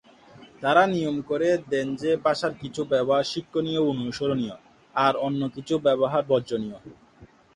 তারা নিয়ম করে দেন যে ভাষার কিছু ব্যবহার শিক্ষণীয় ও অনুসরণীয়, আর অন্য কিছু ব্যবহার বর্জনীয়।